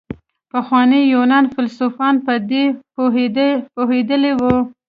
د پخواني يونان فيلسوفان په دې پوهېدلي وو.